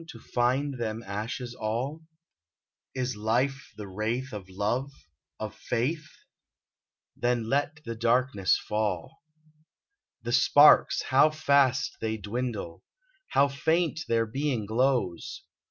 To find them ashes all ? Is life the wraith of love — of faith ? Then let the darkness fall ! The sparks — how fast they dwindle ! How faint their being glows